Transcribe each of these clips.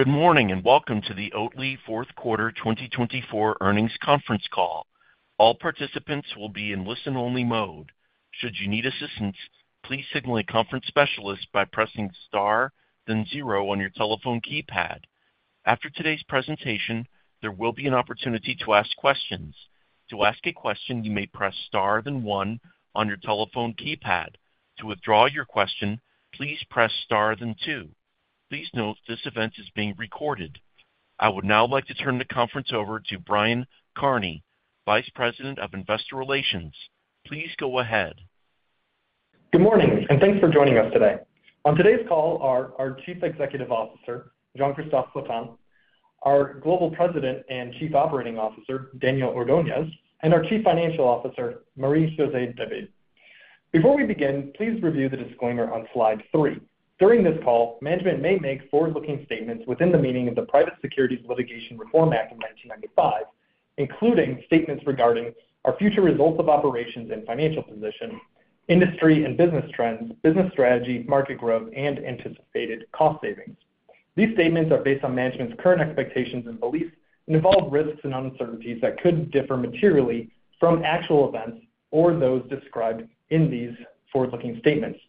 Good morning and welcome to the Oatly Q4 2024 earnings conference call. All participants will be in listen-only mode. Should you need assistance, please signal a conference specialist by pressing star, then zero on your telephone keypad. After today's presentation, there will be an opportunity to ask questions. To ask a question, you may press star, then one on your telephone keypad. To withdraw your question, please press star, then two. Please note this event is being recorded. I would now like to turn the conference over to Brian Kearney, Vice President of Investor Relations. Please go ahead. Good morning, and thanks for joining us today. On today's call are our Chief Executive Officer, Jean-Christophe Flatin, our Global President and Chief Operating Officer, Daniel Ordoñez, and our Chief Financial Officer, Marie-José David. Before we begin, please review the disclaimer on slide three. During this call, management may make forward-looking statements within the meaning of the Private Securities Litigation Reform Act of 1995, including statements regarding our future results of operations and financial position, industry and business trends, business strategy, market growth, and anticipated cost savings. These statements are based on management's current expectations and beliefs and involve risks and uncertainties that could differ materially from actual events or those described in these forward-looking statements.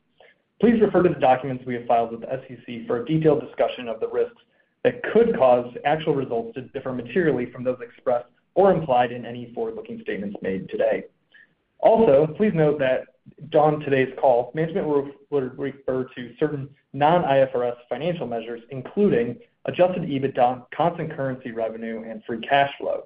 Please refer to the documents we have filed with the SEC for a detailed discussion of the risks that could cause actual results to differ materially from those expressed or implied in any forward-looking statements made today. Also, please note that on today's call, management will refer to certain non-IFRS financial measures, including adjusted EBITDA, constant currency revenue, and free cash flow.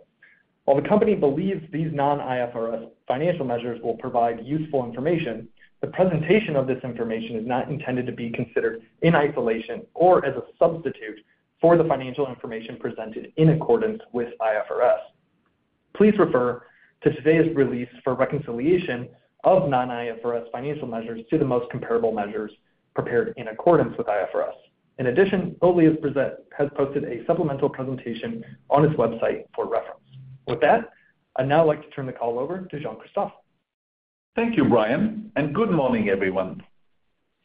While the company believes these non-IFRS financial measures will provide useful information, the presentation of this information is not intended to be considered in isolation or as a substitute for the financial information presented in accordance with IFRS. Please refer to today's release for reconciliation of non-IFRS financial measures to the most comparable measures prepared in accordance with IFRS. In addition, Oatly has posted a supplemental presentation on its website for reference. With that, I'd now like to turn the call over to Jean-Christophe. Thank you, Brian, and good morning, everyone.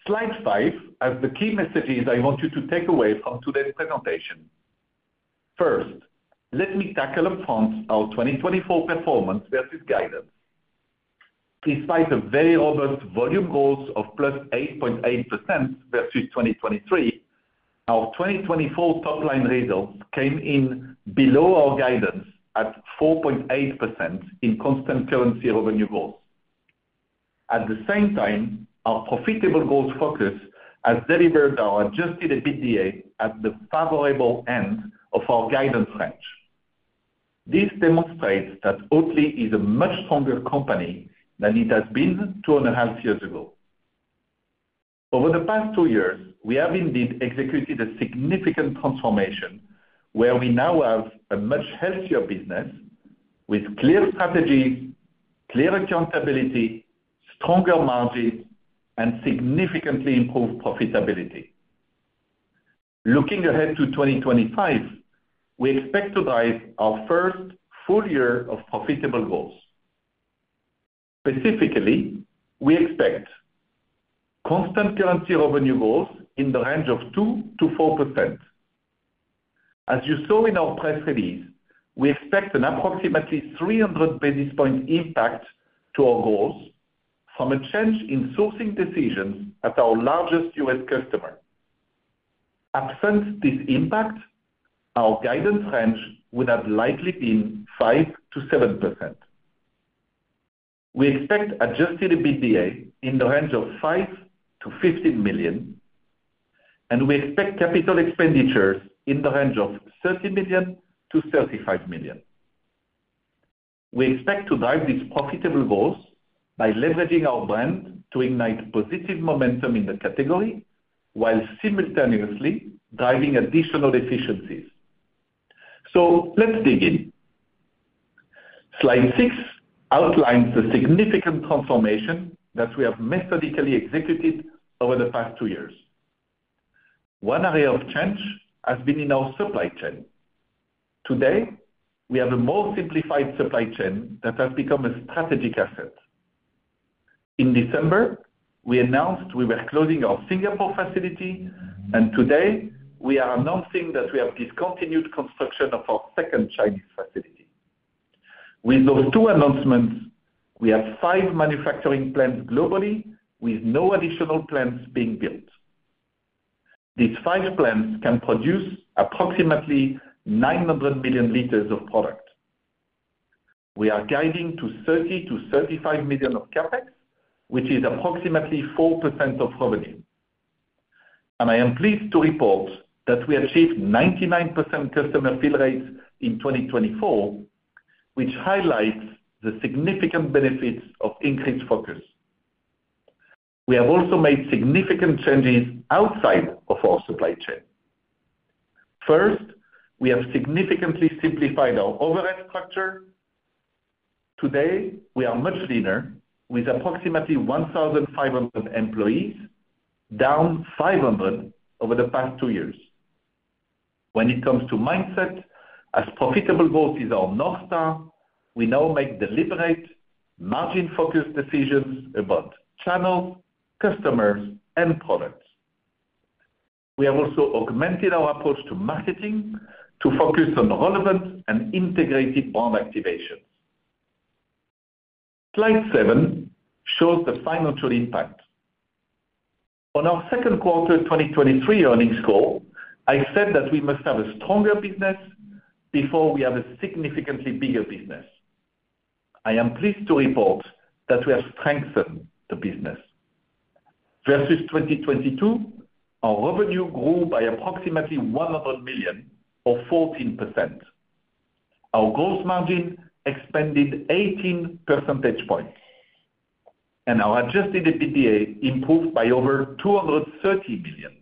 Slide five as the key messages I want you to take away from today's presentation. First, let me tackle upfront our 2024 performance versus guidance. Despite the very robust volume growth of +8.8% versus 2023, our 2024 top-line results came in below our guidance at 4.8% in constant currency revenue growth. At the same time, our profitable growth focus has delivered our adjusted EBITDA at the favorable end of our guidance range. This demonstrates that Oatly is a much stronger company than it has been two and a half years ago. Over the past two years, we have indeed executed a significant transformation where we now have a much healthier business with clear strategies, clear accountability, stronger margins, and significantly improved profitability. Looking ahead to 2025, we expect to drive our first full year of profitable growth. Specifically, we expect constant currency revenue growth in the range of 2% to 4%. As you saw in our press release, we expect an approximately 300 basis points impact to our goals from a change in sourcing decisions at our largest U.S. customer. Absent this impact, our guidance range would have likely been 5% to 7%. We expect Adjusted EBITDA in the range of $5 million-$15 million, and we expect capital expenditures in the range of $30 million-$35 million. We expect to drive these profitable growth by leveraging our brand to ignite positive momentum in the category while simultaneously driving additional efficiencies. So let's dig in. Slide six outlines the significant transformation that we have methodically executed over the past two years. One area of change has been in our supply chain. Today, we have a more simplified supply chain that has become a strategic asset. In December, we announced we were closing our Singapore facility, and today we are announcing that we have discontinued construction of our second Chinese facility. With those two announcements, we have five manufacturing plants globally with no additional plants being built. These five plants can produce approximately 900 million liters of product. We are guiding to $30 million-$35 million of CapEx, which is approximately 4% of revenue, and I am pleased to report that we achieved 99% customer fill rates in 2024, which highlights the significant benefits of increased focus. We have also made significant changes outside of our supply chain. First, we have significantly simplified our overhead structure. Today, we are much leaner with approximately 1,500 employees, down 500 over the past two years. When it comes to mindset, as profitable goals is our North Star, we now make deliberate, margin-focused decisions about channels, customers, and products. We have also augmented our approach to marketing to focus on relevant and integrated brand activations. Slide seven shows the financial impact. On our Second Quarter 2023 Earnings Call, I said that we must have a stronger business before we have a significantly bigger business. I am pleased to report that we have strengthened the business. Versus 2022, our revenue grew by approximately $100 million, or 14%. Our gross margin expanded 18 percentage points, and our adjusted EBITDA improved by over $230 million.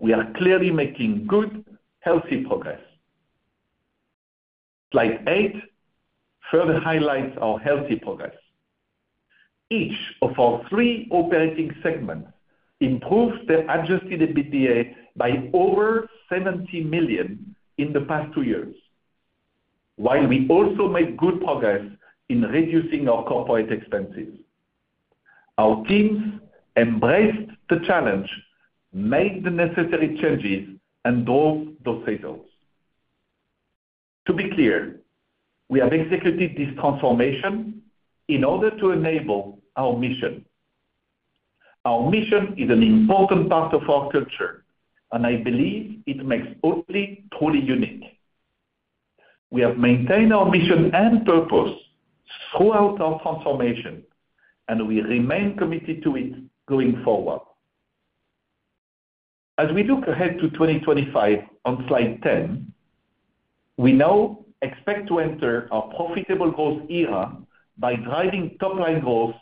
We are clearly making good, healthy progress. Slide eight further highlights our healthy progress. Each of our three operating segments improved their adjusted EBITDA by over $70 million in the past two years, while we also made good progress in reducing our corporate expenses. Our teams embraced the challenge, made the necessary changes, and drove those results. To be clear, we have executed this transformation in order to enable our mission. Our mission is an important part of our culture, and I believe it makes Oatly truly unique. We have maintained our mission and purpose throughout our transformation, and we remain committed to it going forward. As we look ahead to 2025 on Slide 10, we now expect to enter our profitable goals era by driving top-line growth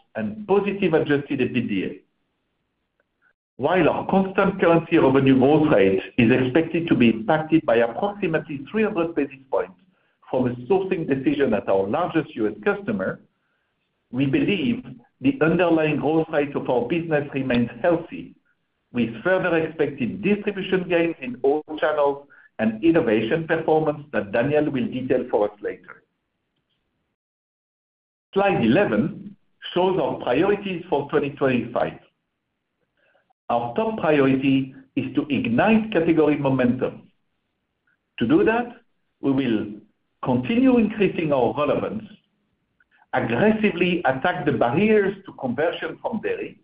Our top priority is to ignite category momentum. To do that, we will continue increasing our relevance, aggressively attack the barriers to conversion from dairy,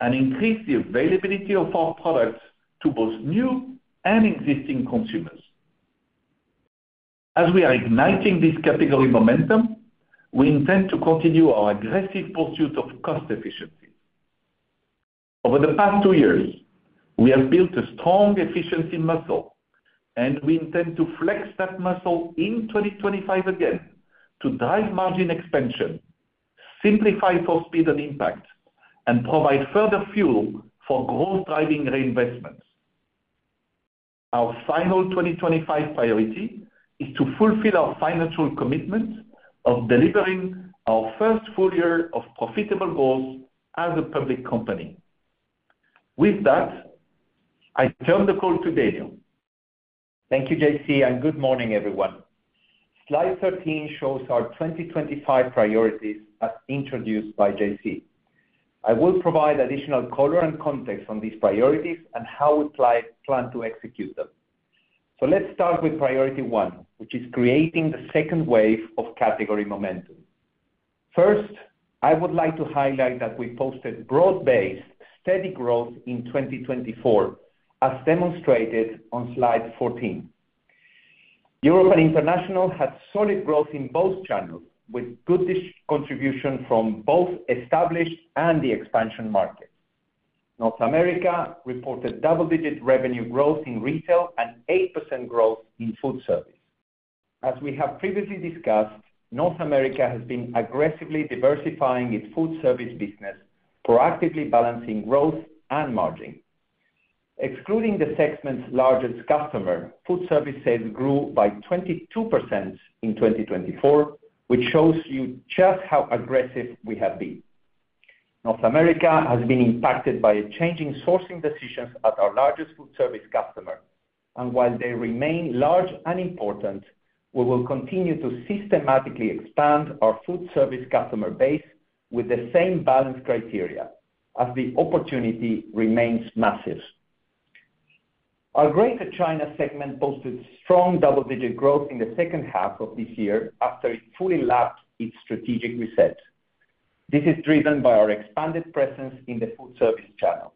and increase the availability of our products to both new and existing consumers. As we are igniting this category momentum, we intend to continue our aggressive pursuit of cost efficiency. Over the past two years, we have built a strong efficiency muscle, and we intend to flex that muscle in 2025 again to drive margin expansion, simplify for speed and impact, and provide further fuel for growth-driving reinvestments. Our final 2025 priority is to fulfill our financial commitment of delivering our first full year of profitable goals as a public company. With that, I turn the call to Daniel. Thank you, JC, and good morning, everyone. Slide 13 shows our 2025 priorities as introduced by JC. I will provide additional color and context on these priorities and how we plan to execute them. So let's start with priority one, which is creating the second wave of category momentum. First, I would like to highlight that we posted broad-based steady growth in 2024, as demonstrated on slide 14. Europe and International had solid growth in both channels, with good contribution from both established and the expansion markets. North America reported double-digit revenue growth in retail and 8% growth in food service. As we have previously discussed, North America has been aggressively diversifying its food service business, proactively balancing growth and margin. Excluding the segment's largest customer, food services grew by 22% in 2024, which shows you just how aggressive we have been. North America has been impacted by changing sourcing decisions at our largest food service customer. While they remain large and important, we will continue to systematically expand our food service customer base with the same balance criteria as the opportunity remains massive. Our Greater China segment posted strong double-digit growth in the second half of this year after it fully lapped its strategic reset. This is driven by our expanded presence in the food service channel.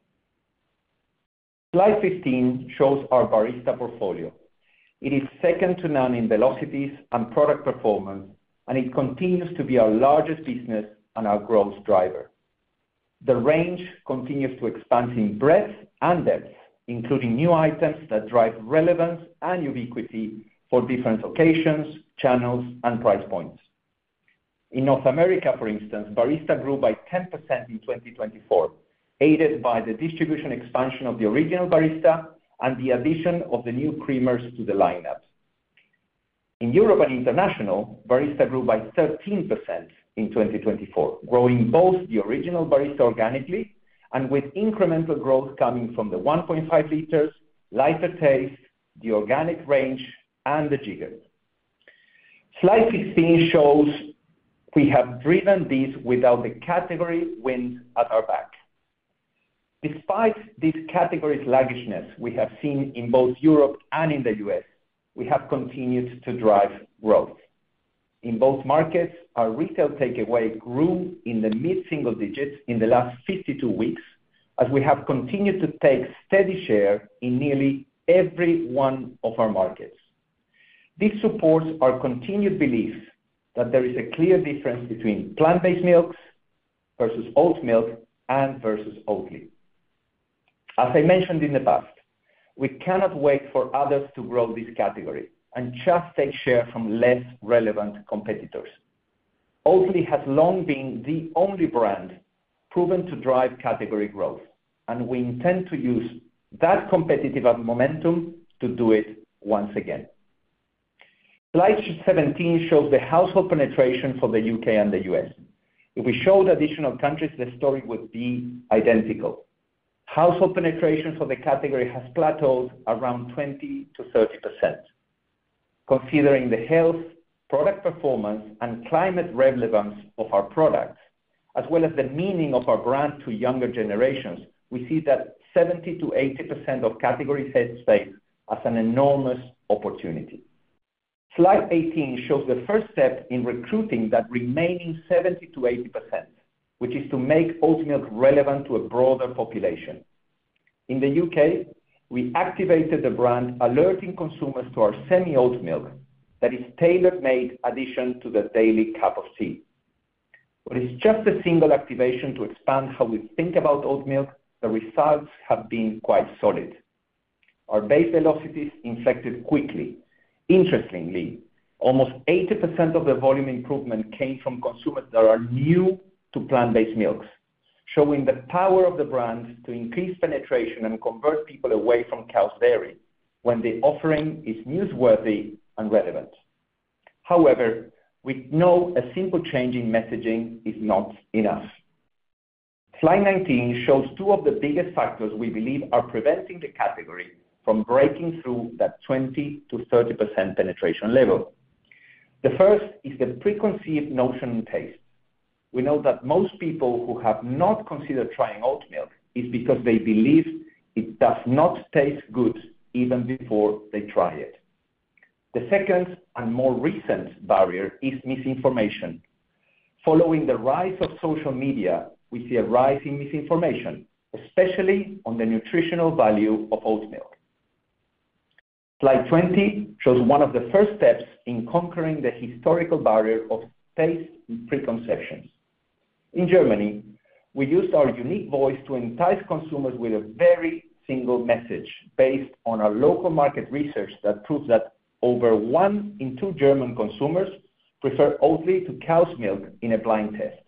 Slide 15 shows our barista portfolio. It is second to none in velocities and product performance, and it continues to be our largest business and our growth driver. The range continues to expand in breadth and depth, including new items that drive relevance and ubiquity for different locations, channels, and price points. In North America, for instance, Barista grew by 10% in 2024, aided by the distribution expansion of the original Barista and the addition of the new Creamers to the lineup. In Europe and International, Barista grew by 13% in 2024, growing both the original Barista organically and with incremental growth coming from the 1.5 liters, lighter taste, the organic range, and the Jigger. Slide 16 shows we have driven this without the category wind at our back. Despite these categories' sluggishness, we have seen in both Europe and in the U.S., we have continued to drive growth. In both markets, our retail takeaway grew in the mid-single digits in the last 52 weeks, as we have continued to take steady share in nearly every one of our markets. This supports our continued belief that there is a clear difference between plant-based milks versus oat milk and versus Oatly. As I mentioned in the past, we cannot wait for others to grow this category and just take share from less relevant competitors. Oatly has long been the only brand proven to drive category growth, and we intend to use that competitive momentum to do it once again. Slide 17 shows the household penetration for the U.K. and the U.S.. If we showed additional countries, the story would be identical. Household penetration for the category has plateaued around 20%-30%. Considering the health, product performance, and climate relevance of our products, as well as the meaning of our brand to younger generations, we see that 70%-80% of category's headspace as an enormous opportunity. Slide 18 shows the first step in recruiting that remaining 70%-80%, which is to make oat milk relevant to a broader population. In the U.K., we activated the brand alerting consumers to our Semi oat milk that is tailor-made addition to the daily cup of tea. With just a single activation to expand how we think about oat milk, the results have been quite solid. Our base velocities inflected quickly. Interestingly, almost 80% of the volume improvement came from consumers that are new to plant-based milks, showing the power of the brand to increase penetration and convert people away from cow's dairy when the offering is newsworthy and relevant. However, we know a simple change in messaging is not enough. Slide 19 shows two of the biggest factors we believe are preventing the category from breaking through that 20%-30% penetration level. The first is the preconceived notion in taste. We know that most people who have not considered trying oat milk is because they believe it does not taste good even before they try it. The second and more recent barrier is misinformation. Following the rise of social media, we see a rise in misinformation, especially on the nutritional value of oat milk. Slide 20 shows one of the first steps in conquering the historical barrier of taste and preconceptions. In Germany, we used our unique voice to entice consumers with a very simple message based on our local market research that proves that over one in two German consumers prefer Oatly to cow's milk in a blind test.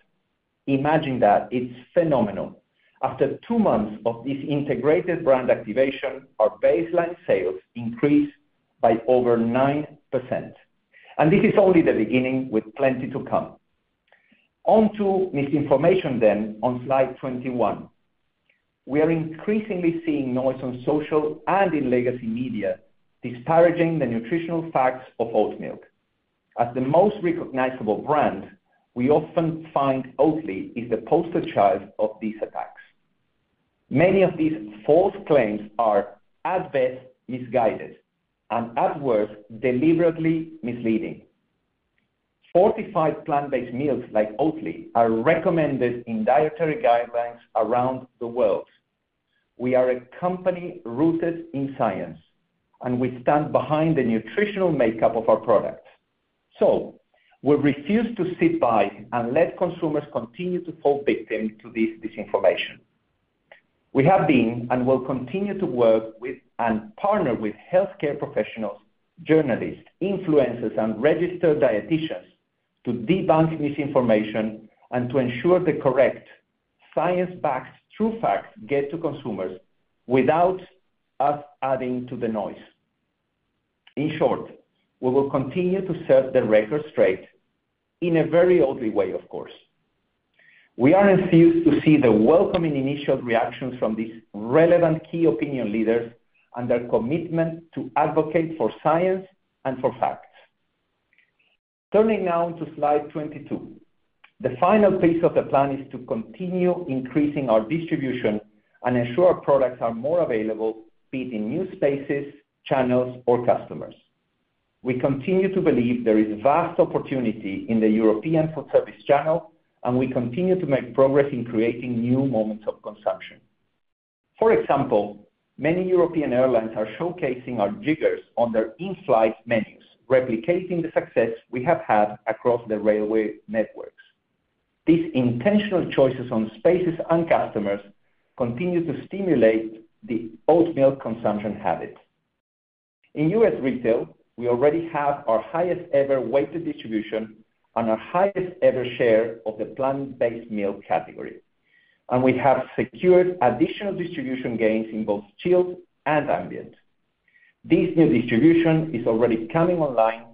Imagine that. It's phenomenal. After two months of this integrated brand activation, our baseline sales increased by over 9%. And this is only the beginning with plenty to come. On to misinformation then on slide 21. We are increasingly seeing noise on social and in legacy media disparaging the nutritional facts of oat milk. As the most recognizable brand, we often find Oatly is the poster child of these attacks. Many of these false claims are at best misguided and at worst deliberately misleading. Fortified plant-based milks like Oatly are recommended in dietary guidelines around the world. We are a company rooted in science, and we stand behind the nutritional makeup of our products. So we refuse to sit by and let consumers continue to fall victim to this disinformation. We have been and will continue to work with and partner with healthcare professionals, journalists, influencers, and registered dietitians to debunk misinformation and to ensure the correct science-backed true facts get to consumers without us adding to the noise. In short, we will continue to set the record straight in a very Oatly way, of course. We are enthused to see the welcoming initial reactions from these relevant key opinion leaders and their commitment to advocate for science and for facts. Turning now to slide 22, the final piece of the plan is to continue increasing our distribution and ensure our products are more available, be it in new spaces, channels, or customers. We continue to believe there is vast opportunity in the European food service channel, and we continue to make progress in creating new moments of consumption. For example, many European airlines are showcasing our jiggers on their in-flight menus, replicating the success we have had across the railway networks. These intentional choices on spaces and customers continue to stimulate the oat milk consumption habit. In U.S. retail, we already have our highest ever weighted distribution and our highest ever share of the plant-based milk category, and we have secured additional distribution gains in both chilled and ambient. This new distribution is already coming online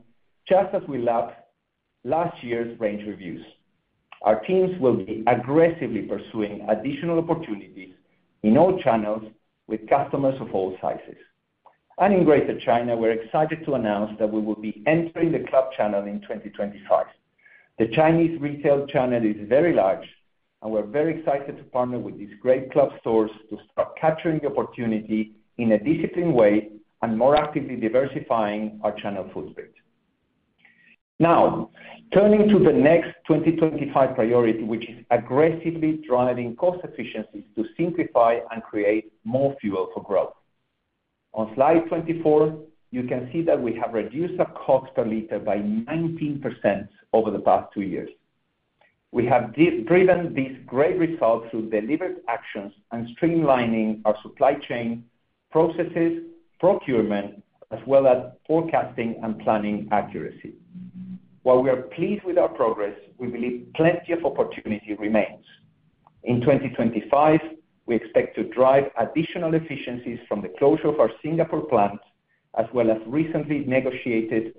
just as we lapped last year's range reviews. Our teams will be aggressively pursuing additional opportunities in all channels with customers of all sizes. And in Greater China, we're excited to announce that we will be entering the club channel in 2025. The Chinese retail channel is very large, and we're very excited to partner with these great club stores to start capturing the opportunity in a disciplined way and more actively diversifying our channel footprint. Now, turning to the next 2025 priority, which is aggressively driving cost efficiencies to simplify and create more fuel for growth. On slide 24, you can see that we have reduced our cost per liter by 19% over the past two years. We have driven these great results through deliberate actions and streamlining our supply chain processes, procurement, as well as forecasting and planning accuracy. While we are pleased with our progress, we believe plenty of opportunity remains. In 2025, we expect to drive additional efficiencies from the closure of our Singapore plant, as well as recently negotiated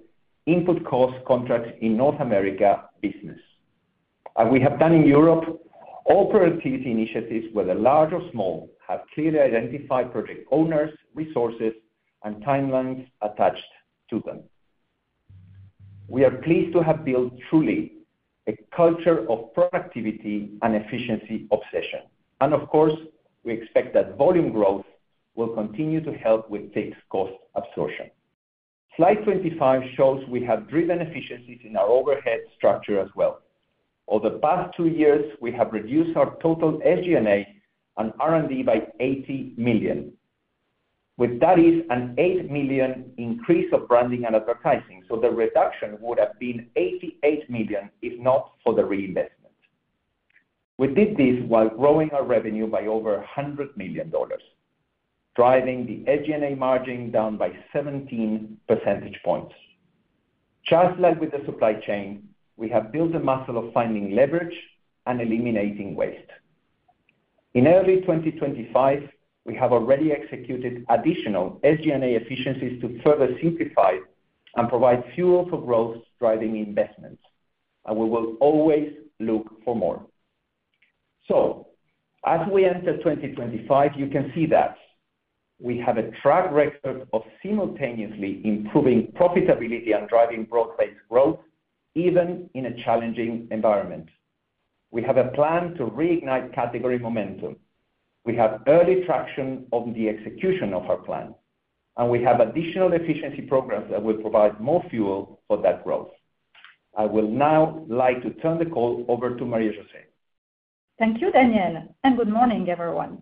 input cost contracts in North America business. As we have done in Europe, all priorities initiatives, whether large or small, have clearly identified project owners, resources, and timelines attached to them. We are pleased to have built truly a culture of productivity and efficiency obsession, and of course, we expect that volume growth will continue to help with fixed cost absorption. Slide 25 shows we have driven efficiencies in our overhead structure as well. Over the past two years, we have reduced our total SG&A and R&D by $80 million. With that, it is an $8 million increase of branding and advertising. So the reduction would have been $88 million if not for the reinvestment. We did this while growing our revenue by over $100 million, driving the SG&A margin down by 17 percentage points. Just like with the supply chain, we have built a muscle of finding leverage and eliminating waste. In early 2025, we have already executed additional SG&A efficiencies to further simplify and provide fuel for growth, driving investments. And we will always look for more. So as we enter 2025, you can see that we have a track record of simultaneously improving profitability and driving broad-based growth even in a challenging environment. We have a plan to reignite category momentum. We have early traction on the execution of our plan, and we have additional efficiency programs that will provide more fuel for that growth. I would now like to turn the call over to Marie-José. Thank you, Daniel, and good morning, everyone.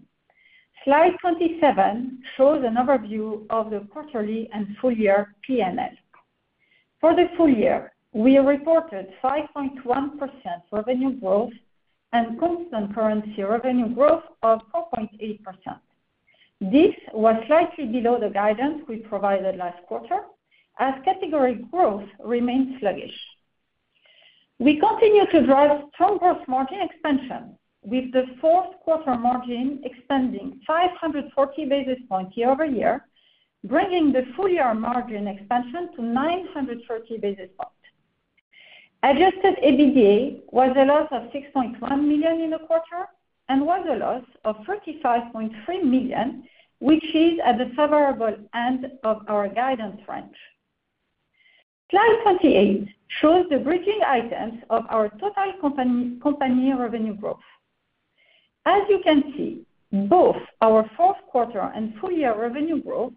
Slide 27 shows an overview of the quarterly and full-year P&L. For the full year, we reported 5.1% revenue growth and constant currency revenue growth of 4.8%. This was slightly below the guidance we provided last quarter, as category growth remained sluggish. We continue to drive strong gross margin expansion, with the fourth quarter margin expanding 540 basis points year over year, bringing the full-year margin expansion to 930 basis points. Adjusted EBITDA was a loss of $6.1 million in the quarter and was a loss of $35.3 million, which is at the favorable end of our guidance range. Slide 28 shows the bridging items of our total company revenue growth. As you can see, both our fourth quarter and full-year revenue growth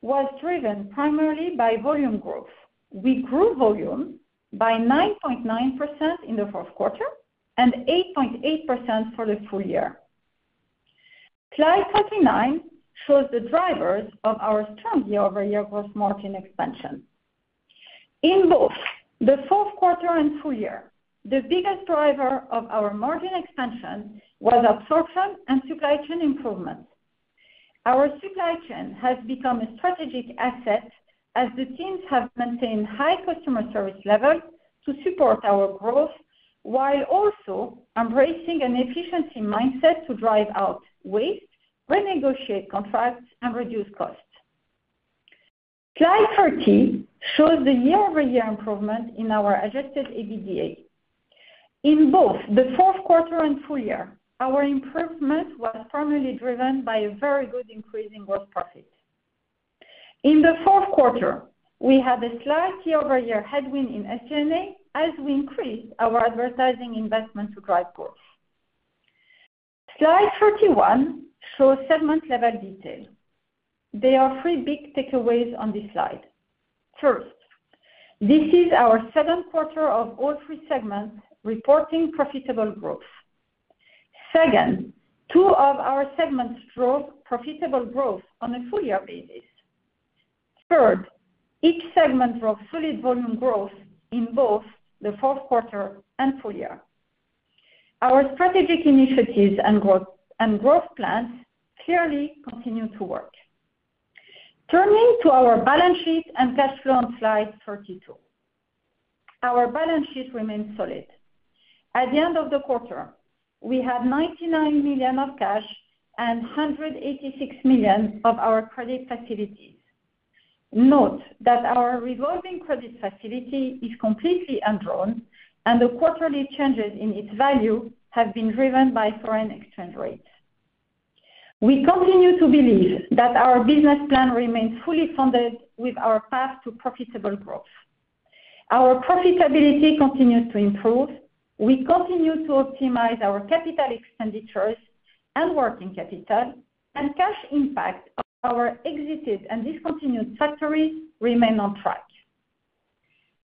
was driven primarily by volume growth. We grew volume by 9.9% in the fourth quarter and 8.8% for the full year. Slide 29 shows the drivers of our strong year-over-year gross margin expansion. In both the fourth quarter and full year, the biggest driver of our margin expansion was absorption and supply chain improvements. Our supply chain has become a strategic asset as the teams have maintained high customer service levels to support our growth, while also embracing an efficiency mindset to drive out waste, renegotiate contracts, and reduce costs. Slide 30 shows the year-over-year improvement in our Adjusted EBITDA. In both the fourth quarter and full year, our improvement was primarily driven by a very good increase in gross profit. In the fourth quarter, we had a slight year-over-year headwind in SG&A as we increased our advertising investment to drive growth. Slide 31 shows segment-level detail. There are three big takeaways on this slide. First, this is our second quarter of all three segments reporting profitable growth. Second, two of our segments drove profitable growth on a full-year basis. Third, each segment drove solid volume growth in both the fourth quarter and full year. Our strategic initiatives and growth plans clearly continue to work. Turning to our balance sheet and cash flow on slide 32, our balance sheet remains solid. At the end of the quarter, we had $99 million of cash and $186 million of our credit facilities. Note that our revolving credit facility is completely undrawn, and the quarterly changes in its value have been driven by foreign exchange rates. We continue to believe that our business plan remains fully funded with our path to profitable growth. Our profitability continues to improve. We continue to optimize our capital expenditures and working capital, and cash impact of our exited and discontinued factories remain on track.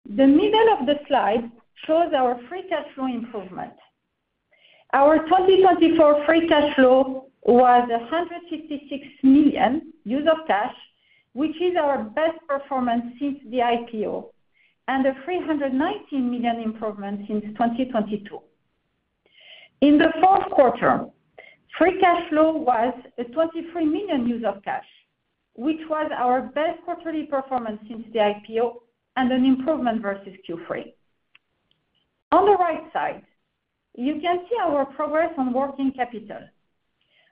The middle of the slide shows our free cash flow improvement. Our 2024 free cash flow was $156 million use of cash, which is our best performance since the IPO, and a $319 million improvement since 2022. In the fourth quarter, free cash flow was $23 million use of cash, which was our best quarterly performance since the IPO and an improvement versus Q3. On the right side, you can see our progress on working capital.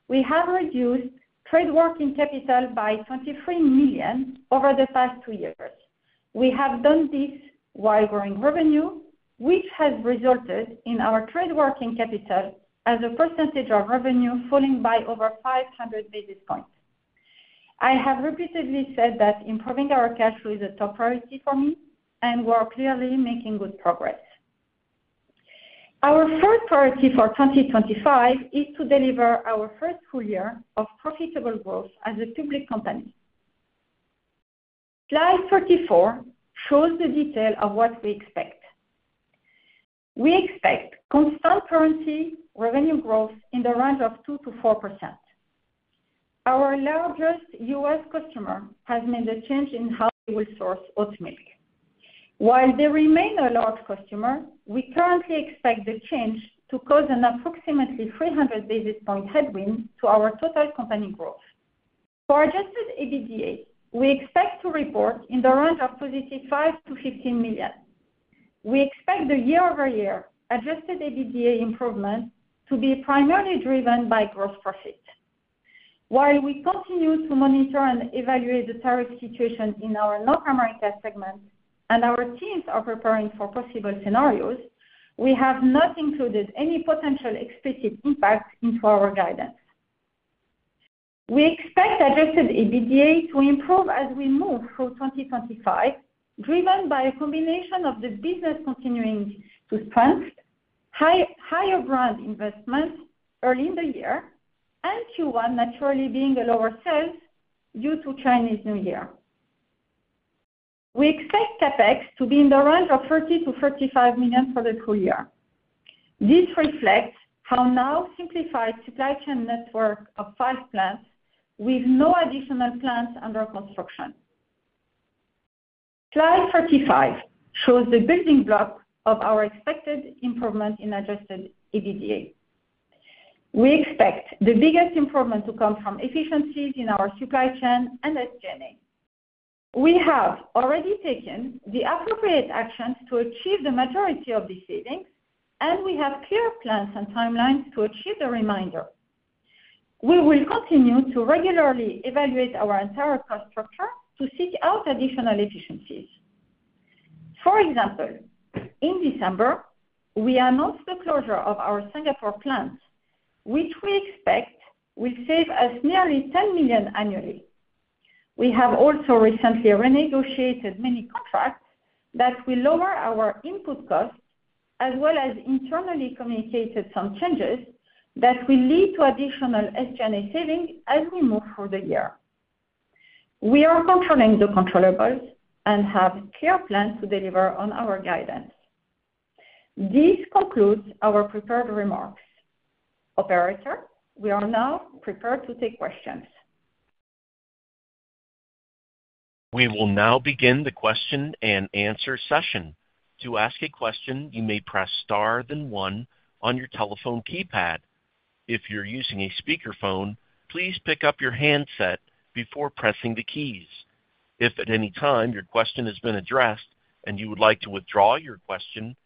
We have reduced trade working capital by $23 million over the past two years. We have done this while growing revenue, which has resulted in our trade working capital as a percentage of revenue falling by over 500 basis points. I have repeatedly said that improving our cash flow is a top priority for me, and we are clearly making good progress. Our first priority for 2025 is to deliver our first full year of profitable growth as a public company. Slide 34 shows the detail of what we expect. We expect constant currency revenue growth in the range of 2%-4%. Our largest U.S. customer has made a change in how they will source oat milk. While they remain a large customer, we currently expect the change to cause an approximately 300 basis point headwind to our total company growth. For Adjusted EBITDA, we expect to report in the range of positive $5-$15 million. We expect the year-over-year adjusted EBITDA improvement to be primarily driven by gross profit. While we continue to monitor and evaluate the tariff situation in our North America segment and our teams are preparing for possible scenarios, we have not included any potential explicit impact into our guidance. We expect adjusted EBITDA to improve as we move through 2025, driven by a combination of the business continuing to strengthen, higher brand investments early in the year, and Q1 naturally being a lower sales due to Chinese New Year. We expect CapEx to be in the range of $30 million-$35 million for the full year. This reflects our now simplified supply chain network of five plants with no additional plants under construction. Slide 35 shows the building block of our expected improvement in adjusted EBITDA. We expect the biggest improvement to come from efficiencies in our supply chain and SG&A. We have already taken the appropriate actions to achieve the majority of these savings, and we have clear plans and timelines to achieve the remainder. We will continue to regularly evaluate our entire cost structure to seek out additional efficiencies. For example, in December, we announced the closure of our Singapore plant, which we expect will save us nearly $10 million annually. We have also recently renegotiated many contracts that will lower our input costs, as well as internally communicated some changes that will lead to additional SG&A savings as we move through the year. We are controlling the controllable and have clear plans to deliver on our guidance. This concludes our prepared remarks. Operator, we are now prepared to take questions. We will now begin the question and answer session. To ask a question, you may press star then one on your telephone keypad. If you're using a speakerphone, please pick up your handset before pressing the keys. If at any time your question has been addressed and you would like to withdraw your question,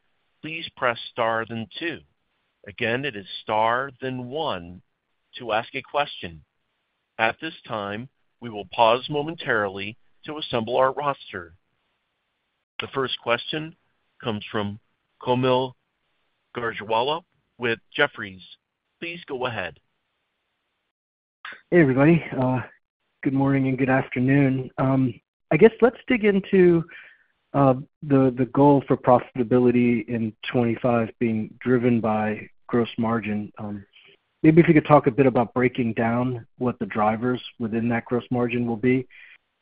please press star then two. Again, it is star then one to ask a question. At this time, we will pause momentarily to assemble our roster. The first question comes from Kaumil Gajrawala with Jefferies. Please go ahead. Hey, everybody. Good morning and good afternoon. I guess let's dig into the goal for profitability in 2025 being driven by gross margin. Maybe if you could talk a bit about breaking down what the drivers within that gross margin will be.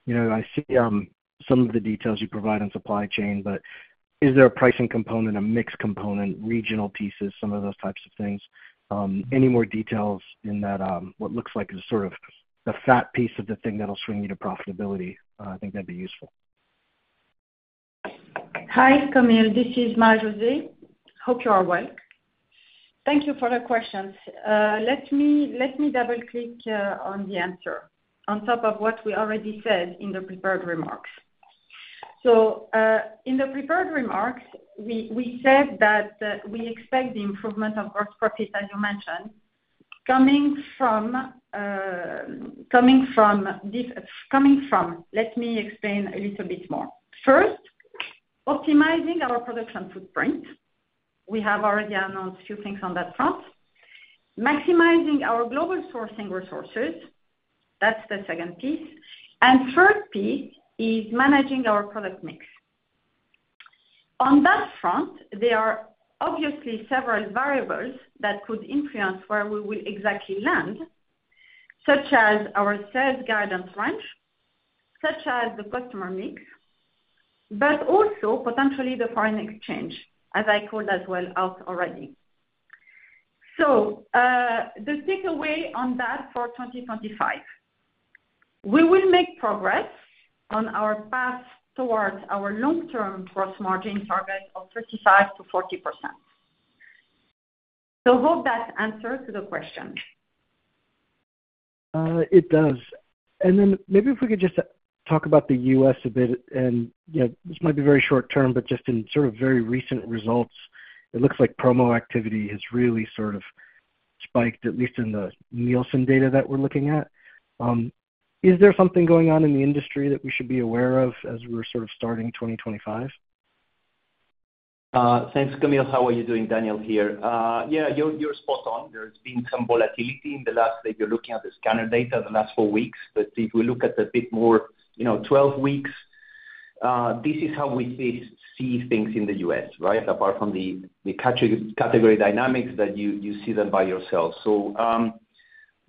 I see some of the details you provide on supply chain, but is there a pricing component, a mixed component, regional pieces, some of those types of things? Any more details in that what looks like is sort of the fat piece of the thing that'll swing you to profitability? I think that'd be useful. Hi, Kaumil. This is Marie-José. Hope you are well. Thank you for the questions. Let me double-click on the answer on top of what we already said in the prepared remarks, so in the prepared remarks, we said that we expect the improvement of gross profit, as you mentioned, coming from. Let me explain a little bit more. First, optimizing our production footprint. We have already announced a few things on that front. Maximizing our global sourcing resources. That's the second piece. And the third piece is managing our product mix. On that front, there are obviously several variables that could influence where we will exactly land, such as our sales guidance range, such as the customer mix, but also potentially the foreign exchange, as I called as well out already. So the takeaway on that for 2025, we will make progress on our path towards our long-term gross margin target of 35%-40%. So I hope that answers the question. It does, and then maybe if we could just talk about the U.S. a bit, and this might be very short-term, but just in sort of very recent results, it looks like promo activity has really sort of spiked, at least in the Nielsen data that we're looking at. Is there something going on in the industry that we should be aware of as we're sort of starting 2025? Thanks, Kaumil. How are you doing? Daniel here Yeah, you're spot on. There's been some volatility in the last, if you're looking at the scanner data, the last four weeks. But if we look at a bit more 12 weeks, this is how we see things in the U.S., right, apart from the category dynamics that you see them by yourself. So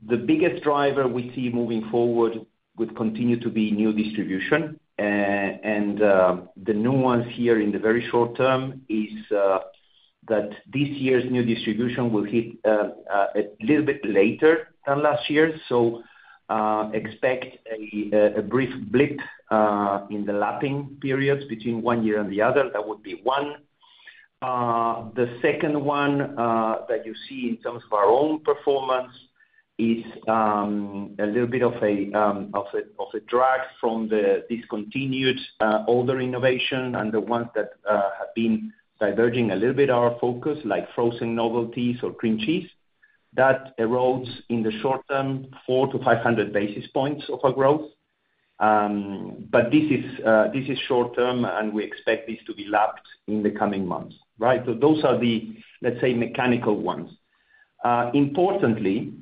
the biggest driver we see moving forward would continue to be new distribution. And the nuance here in the very short term is that this year's new distribution will hit a little bit later than last year. So expect a brief blip in the lapping periods between one year and the other. That would be one. The second one that you see in terms of our own performance is a little bit of a drag from the discontinued older innovation and the ones that have been diverging a little bit our focus, like frozen novelties or cream cheese. That erodes, in the short term, 400-500 basis points of our growth. But this is short-term, and we expect this to be lapped in the coming months, right? So those are the, let's say, mechanical ones. Importantly,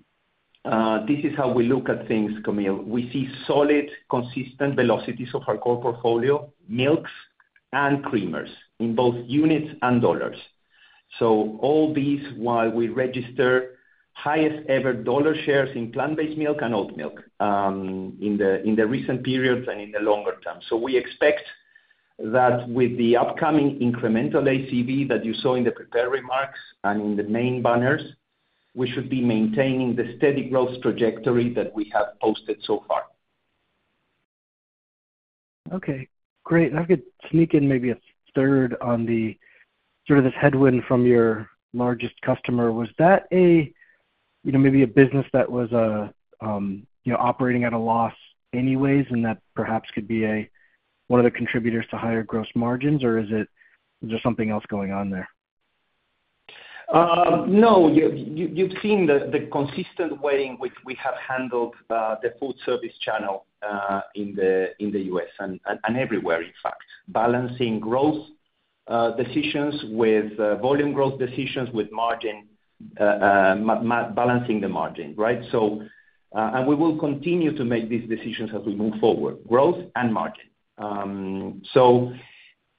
this is how we look at things, Kaumil. We see solid, consistent velocities of our core portfolio, milks and creamers in both units and dollars. So all these while we register highest-ever dollar shares in plant-based milk and oat milk in the recent period and in the longer term. So we expect that with the upcoming incremental ACV that you saw in the prepared remarks and in the main banners, we should be maintaining the steady growth trajectory that we have posted so far. Okay. Great. I could sneak in maybe a third on sort of this headwind from your largest customer. Was that maybe a business that was operating at a loss anyways and that perhaps could be one of the contributors to higher gross margins, or is there something else going on there? No. You've seen the consistent way in which we have handled the food service channel in the U.S. and everywhere, in fact, balancing growth decisions with volume growth decisions with balancing the margin, right? And we will continue to make these decisions as we move forward, growth and margin. So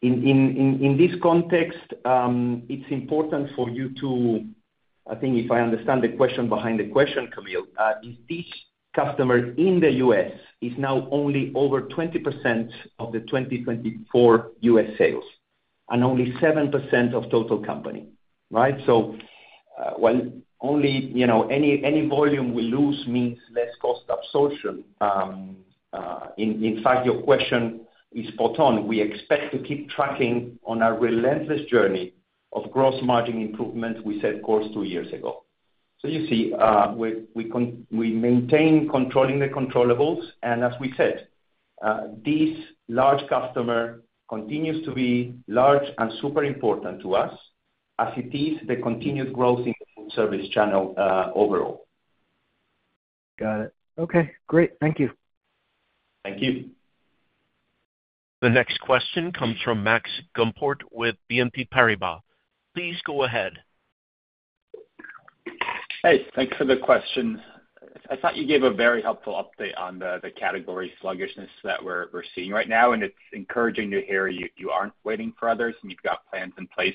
in this context, it's important for you to. I think if I understand the question behind the question, Kaumil, is this customer in the U.S. is now only over 20% of the 2024 U.S. sales and only 7% of total company, right? So while only any volume we lose means less cost absorption. In fact, your question is spot on. We expect to keep tracking on our relentless journey of gross margin improvement we set course two years ago. So you see, we maintain controlling the controllables, and as we said, this large customer continues to be large and super important to us as it is the continued growth in the food service channel overall. Got it. Okay. Great. Thank you. Thank you. The next question comes from Max Gumpert with BNP Paribas. Please go ahead. Hey, thanks for the question. I thought you gave a very helpful update on the category sluggishness that we're seeing right now, and it's encouraging to hear you aren't waiting for others and you've got plans in place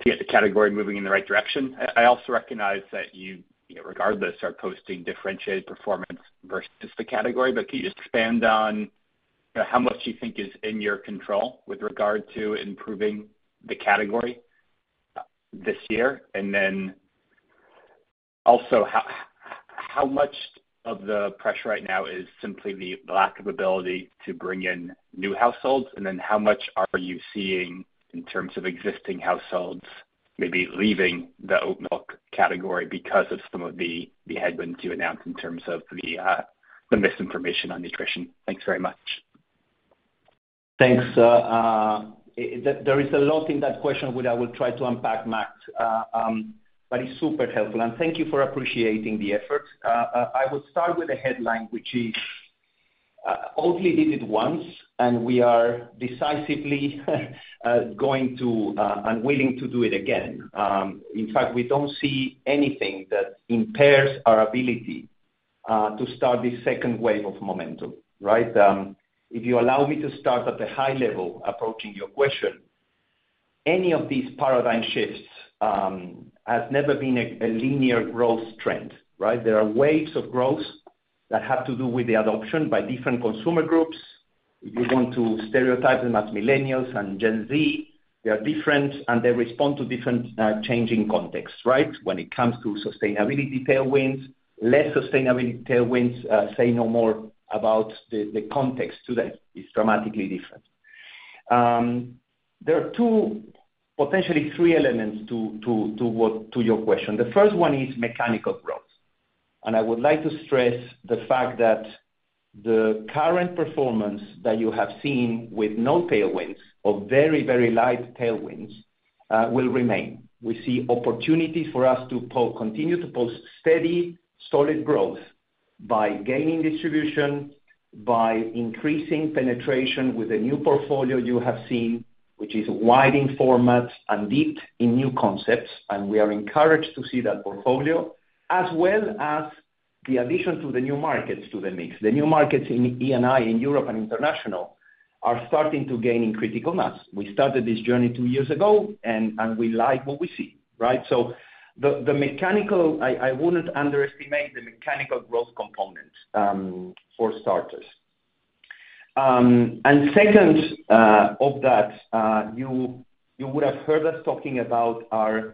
to get the category moving in the right direction. I also recognize that you, regardless, are posting differentiated performance versus the category, but can you expand on how much you think is in your control with regard to improving the category this year? And then also, how much of the pressure right now is simply the lack of ability to bring in new households, and then how much are you seeing in terms of existing households maybe leaving the oat milk category because of some of the headwinds you announced in terms of the misinformation on nutrition? Thanks very much. Thanks. There is a lot in that question which I will try to unpack, Max, but it's super helpful, and thank you for appreciating the effort. I will start with a headline, which is,"Oatly did it once, and we are decisively going to and willing to do it again." In fact, we don't see anything that impairs our ability to start this second wave of momentum, right? If you allow me to start at the high level approaching your question, any of these paradigm shifts has never been a linear growth trend, right? There are waves of growth that have to do with the adoption by different consumer groups. If you want to stereotype them as millennials and Gen Z, they are different, and they respond to different changing contexts, right? When it comes to sustainability tailwinds, less sustainability tailwinds say no more about the context to them. It's dramatically different. There are two, potentially three elements to your question. The first one is mechanical growth, and I would like to stress the fact that the current performance that you have seen with no tailwinds or very, very light tailwinds will remain. We see opportunities for us to continue to post steady, solid growth by gaining distribution, by increasing penetration with a new portfolio you have seen, which is widening formats and deep in new concepts, and we are encouraged to see that portfolio, as well as the addition to the new markets to the mix. The new markets in E&I in Europe and international are starting to gain in critical mass. We started this journey two years ago, and we like what we see, right, so the mechanical, I wouldn't underestimate the mechanical growth components for starters. And second of that, you would have heard us talking about our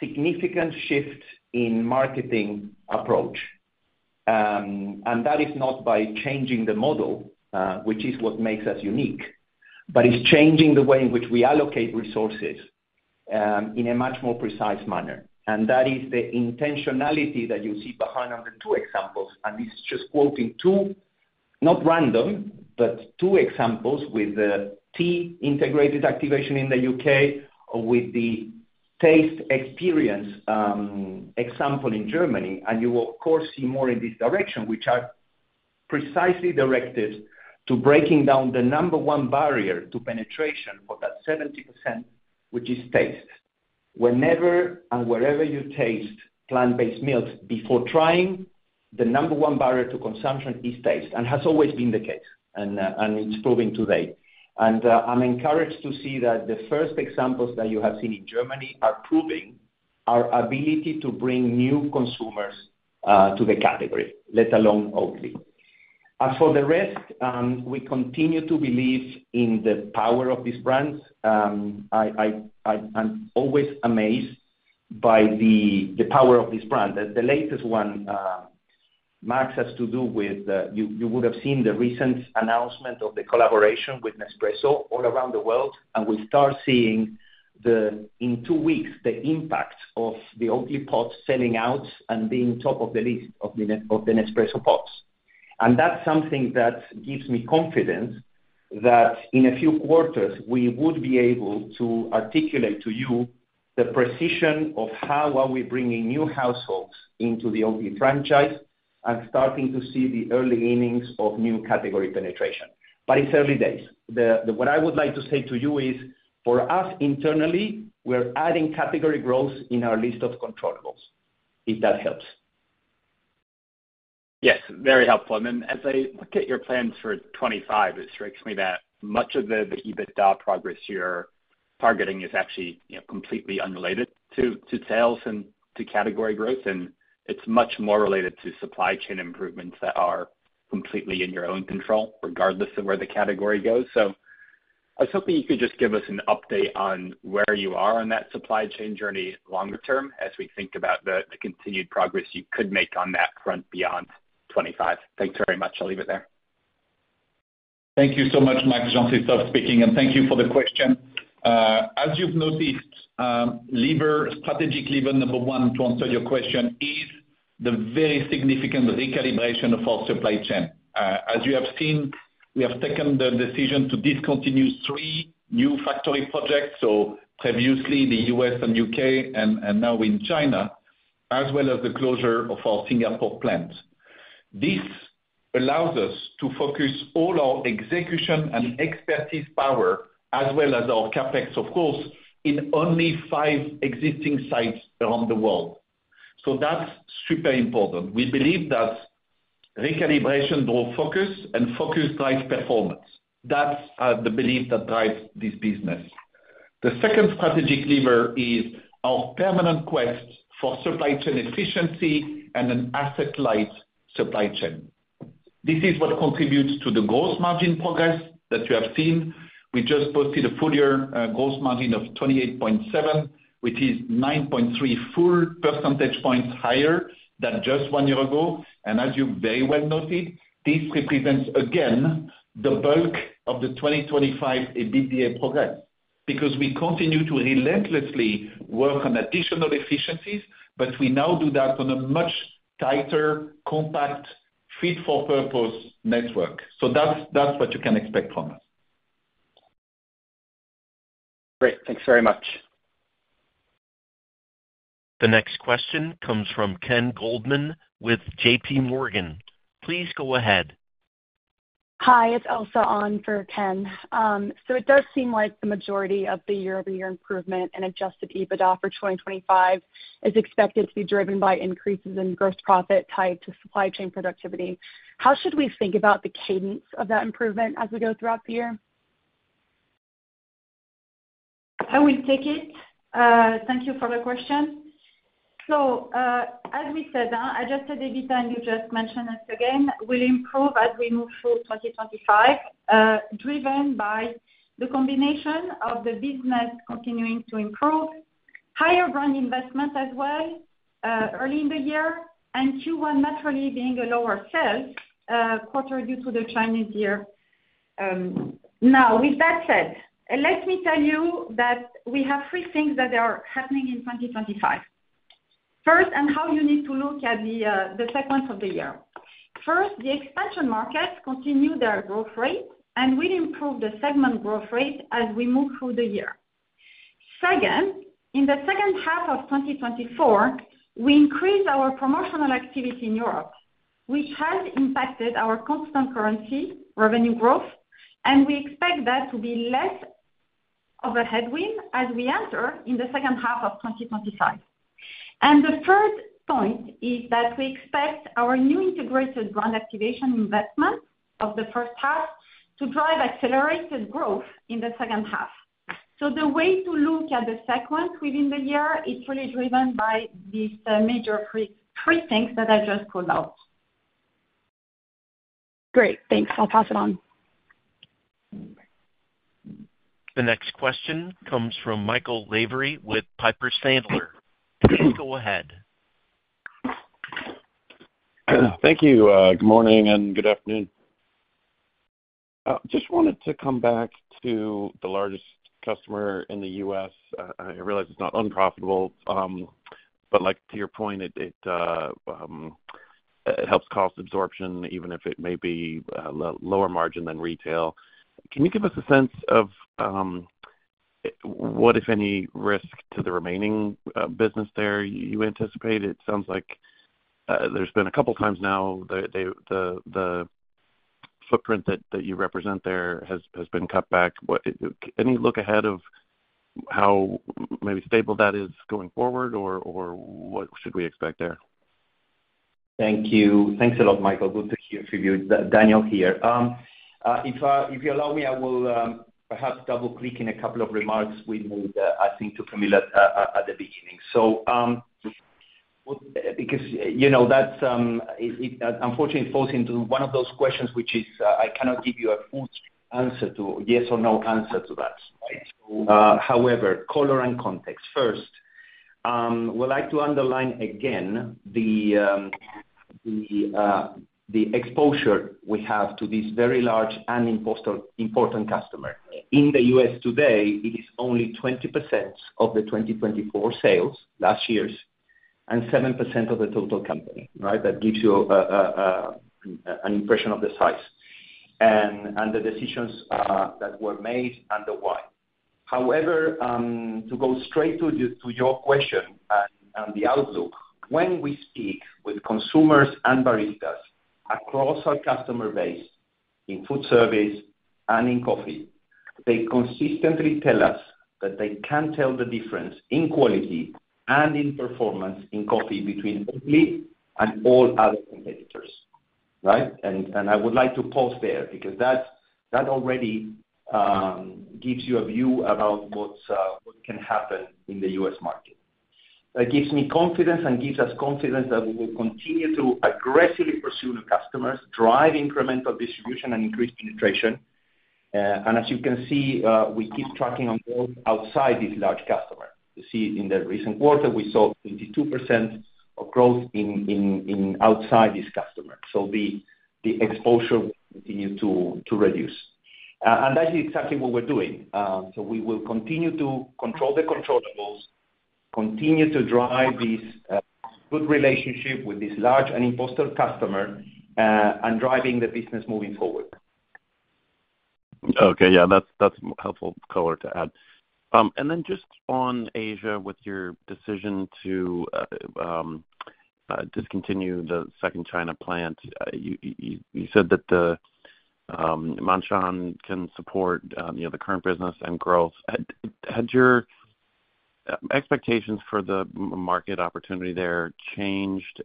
significant shift in marketing approach. And that is not by changing the model, which is what makes us unique, but it's changing the way in which we allocate resources in a much more precise manner. And that is the intentionality that you see behind on the two examples. And this is just quoting two, not random, but two examples with the tea integrated activation in the U.K. or with the taste experience example in Germany. And you will, of course, see more in this direction, which are precisely directed to breaking down the number one barrier to penetration for that 70%, which is taste. Whenever and wherever you taste plant-based milks before trying, the number one barrier to consumption is taste, and has always been the case, and it's proving today. And I'm encouraged to see that the first examples that you have seen in Germany are proving our ability to bring new consumers to the category, let alone Oatly. As for the rest, we continue to believe in the power of these brands. I'm always amazed by the power of this brand. The latest one, Max, has to do with you would have seen the recent announcement of the collaboration with Nespresso all around the world, and we start seeing in two weeks the impact of the Oatly pods selling out and being top of the list of the Nespresso pods. And that's something that gives me confidence that in a few quarters, we would be able to articulate to you the precision of how are we bringing new households into the Oatly franchise and starting to see the early innings of new category penetration, but it's early days. What I would like to say to you is, for us internally, we're adding category growth in our list of controllables, if that helps. Yes, very helpful. And then as I look at your plans for 2025, it strikes me that much of the EBITDA progress you're targeting is actually completely unrelated to sales and to category growth, and it's much more related to supply chain improvements that are completely in your own control regardless of where the category goes. So I was hoping you could just give us an update on where you are on that supply chain journey longer term as we think about the continued progress you could make on that front beyond 2025. Thanks very much. I'll leave it there. Thank you so much, Max Gumpert, for speaking, and thank you for the question. As you've noticed, strategic lever number one to answer your question is the very significant recalibration of our supply chain. As you have seen, we have taken the decision to discontinue three new factory projects, so previously the U.S. and U.K., and now in China, as well as the closure of our Singapore plant. This allows us to focus all our execution and expertise power, as well as our CapEx, of course, in only five existing sites around the world, so that's super important. We believe that recalibration draws focus, and focus drives performance. That's the belief that drives this business. The second strategic lever is our permanent quest for supply chain efficiency and an asset-light supply chain. This is what contributes to the gross margin progress that you have seen. We just posted a full-year gross margin of 28.7%, which is 9.3 full percentage points higher than just one year ago, and as you very well noted, this represents, again, the bulk of the 2025 EBITDA progress because we continue to relentlessly work on additional efficiencies, but we now do that on a much tighter, compact, fit-for-purpose network, so that's what you can expect from us. Great. Thanks very much. The next question comes from Ken Goldman with JPMorgan. Please go ahead. Hi. It's Elsa on for Ken, so it does seem like the majority of the year-over-year improvement and adjusted EBITDA for 2025 is expected to be driven by increases in gross profit tied to supply chain productivity. How should we think about the cadence of that improvement as we go throughout the year? I will take it. Thank you for the question. So as we said, Adjusted EBITDA, and you just mentioned this again, will improve as we move through 2025, driven by the combination of the business continuing to improve, higher brand investment as well early in the year, and Q1 naturally being a lower sales quarter due to the Chinese New Year. Now, with that said, let me tell you that we have three things that are happening in 2025. First, and how you need to look at the segments of the year. First, the expansion markets continue their growth rate and will improve the segment growth rate as we move through the year. Second, in the second half of 2024, we increased our promotional activity in Europe. Which has impacted our constant currency revenue growth, and we expect that to be less of a headwind as we enter in the second half of 2025. And the third point is that we expect our new integrated brand activation investment of the first half to drive accelerated growth in the second half. So the way to look at the segment within the year is really driven by these major three things that I just pulled out. Great. Thanks. I'll pass it on. The next question comes from Michael Lavery with Piper Sandler. Please go ahead. Thank you. Good morning and good afternoon. I just wanted to come back to the largest customer in the U.S. I realize it's not unprofitable, but to your point, it helps cost absorption even if it may be lower margin than retail. Can you give us a sense of what, if any, risk to the remaining business there you anticipate? It sounds like there's been a couple of times now the footprint that you represent there has been cut back. Any look ahead of how maybe stable that is going forward, or what should we expect there? Thank you. Thanks a lot, Michael. Good to hear from you. Daniel here. If you allow me, I will perhaps double-click in a couple of remarks with I think to Kaumil at the beginning. So because that unfortunately falls into one of those questions, which is I cannot give you a full answer to yes or no answer to that, right? However, color and context first. I would like to underline again the exposure we have to this very large and important customer. In the U.S. today, it is only 20% of the 2024 sales last year's and 7% of the total company, right? That gives you an impression of the size and the decisions that were made and the why. However, to go straight to your question and the outlook, when we speak with consumers and baristas across our customer base in food service and in coffee, they consistently tell us that they can't tell the difference in quality and in performance in coffee between Oatly and all other competitors, right? And I would like to pause there because that already gives you a view about what can happen in the U.S. market. That gives me confidence and gives us confidence that we will continue to aggressively pursue new customers, drive incremental distribution, and increase penetration. And as you can see, we keep tracking on growth outside this large customer. You see in the recent quarter, we saw 22% of growth outside this customer. So the exposure will continue to reduce. And that is exactly what we're doing. So we will continue to control the controllables, continue to drive this good relationship with this large and important customer and driving the business moving forward. Okay. Yeah. That's helpful color to add. And then just on Asia with your decision to discontinue the second China plant, you said that the Ma'anshan can support the current business and growth. Had your expectations for the market opportunity there changed?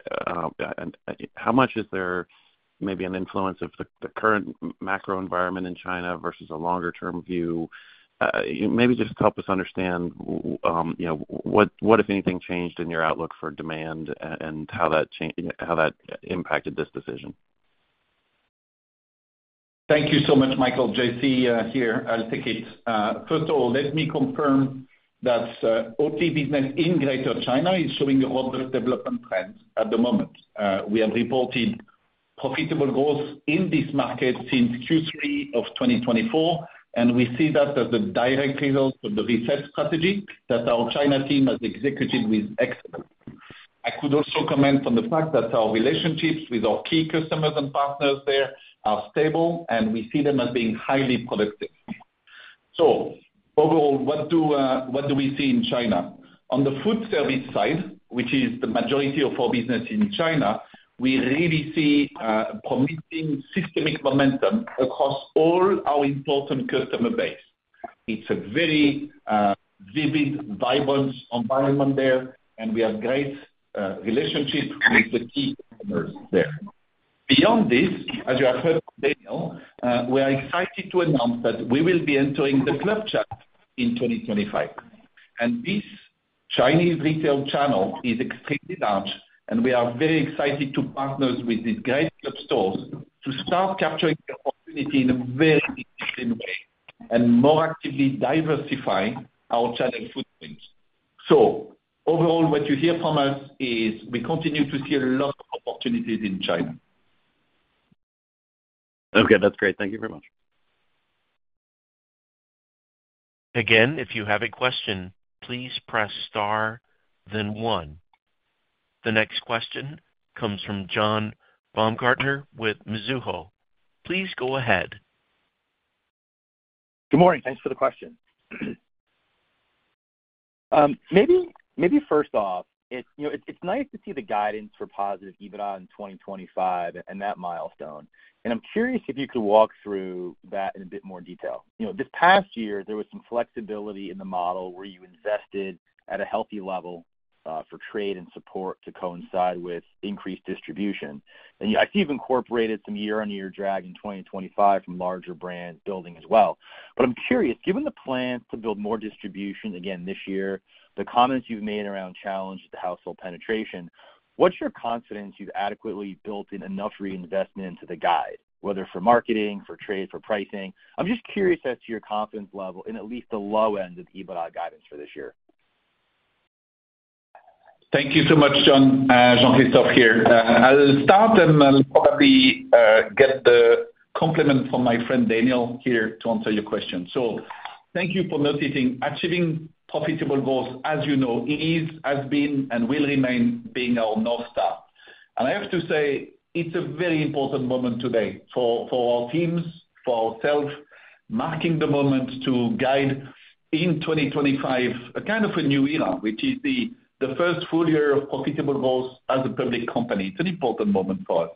How much is there maybe an influence of the current macro environment in China versus a longer-term view? Maybe just help us understand what, if anything, changed in your outlook for demand and how that impacted this decision. Thank you so much, Michael. JC here. I'll take it. First of all, let me confirm that Oatly business in Greater China is showing a robust development trend at the moment. We have reported profitable growth in this market since Q3 of 2024, and we see that as the direct result of the reset strategy that our China team has executed with excellence. I could also comment on the fact that our relationships with our key customers and partners there are stable, and we see them as being highly productive. So overall, what do we see in China? On the food service side, which is the majority of our business in China, we really see a promising systemic momentum across all our important customer base. It's a very vivid, vibrant environment there, and we have great relationships with the key customers there. Beyond this, as you have heard from Daniel, we are excited to announce that we will be entering the club channel in 2025. And this Chinese retail channel is extremely large, and we are very excited to partner with these great club stores to start capturing the opportunity in a very distinct way and more actively diversify our channel footprint. So overall, what you hear from us is we continue to see a lot of opportunities in China. Okay. That's great. Thank you very much. Again, if you have a question, please press star, then one. The next question comes from John Baumgartner with Mizuho. Please go ahead. Good morning. Thanks for the question. Maybe first off, it's nice to see the guidance for positive EBITDA in 2025 and that milestone. And I'm curious if you could walk through that in a bit more detail. This past year, there was some flexibility in the model where you invested at a healthy level for trade and support to coincide with increased distribution. I see you've incorporated some year-over-year drag in 2025 from larger brand building as well. But I'm curious, given the plan to build more distribution again this year, the comments you've made around challenges to household penetration, what's your confidence you've adequately built in enough reinvestment into the guide, whether for marketing, for trade, for pricing? I'm just curious as to your confidence level in at least the low end of EBITDA guidance for this year. Thank you so much, John. Jean-Christophe here. I'll start and I'll probably get the complement from my friend Daniel here to answer your question. So thank you for noticing. Achieving profitable goals, as you know, is, has been, and will remain being our North Star. I have to say it's a very important moment today for our teams, for ourselves, marking the moment to guide in 2025 a kind of a new era, which is the first full year of profitable goals as a public company. It's an important moment for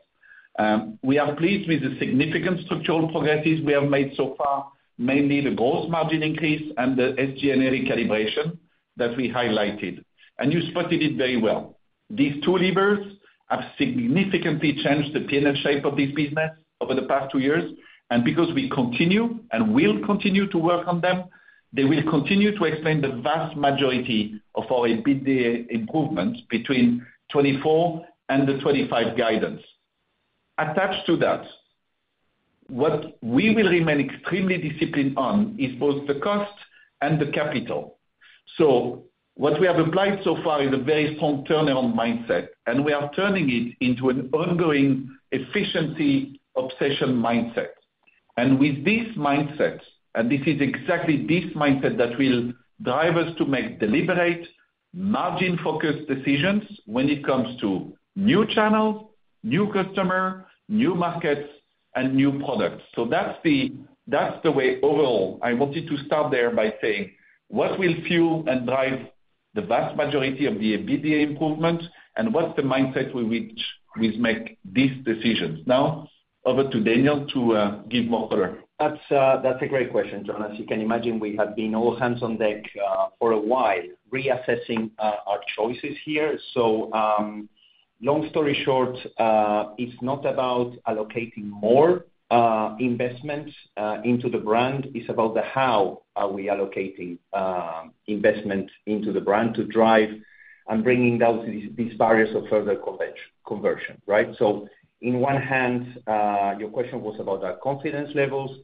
us. We are pleased with the significant structural progresses we have made so far, mainly the gross margin increase and the SG&A recalibration that we highlighted. You spotted it very well. These two levers have significantly changed the P&L shape of this business over the past two years. Because we continue and will continue to work on them, they will continue to explain the vast majority of our EBITDA improvements between 2024 and the 2025 guidance. Attached to that, what we will remain extremely disciplined on is both the cost and the capital. So what we have applied so far is a very strong turnaround mindset, and we are turning it into an ongoing efficiency obsession mindset, and with this mindset, and this is exactly this mindset that will drive us to make deliberate, margin-focused decisions when it comes to new channels, new customers, new markets, and new products. So that's the way overall. I wanted to start there by saying what will fuel and drive the vast majority of the EBITDA improvement, and what's the mindset with which we make these decisions. Now, over to Daniel to give more color. That's a great question, John. As you can imagine, we have been all hands on deck for a while reassessing our choices here. So long story short, it's not about allocating more investment into the brand. It's about the how are we allocating investment into the brand to drive and bringing down these barriers of further conversion, right? So in one hand, your question was about our confidence levels.